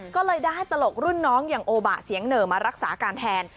ก็เลยได้ตลกรุ่นน้องอย่างโอบะเสียงเหน่อมารักษาการแทน